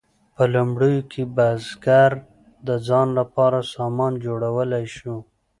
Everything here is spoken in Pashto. په لومړیو کې بزګر د ځان لپاره سامان جوړولی شو.